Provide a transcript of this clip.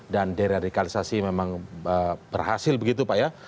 dan deradikalisasi memang berhasil begitu pak ya